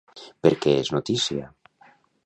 Per què és notícia?